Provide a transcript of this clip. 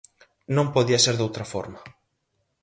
Non podía ser doutra forma.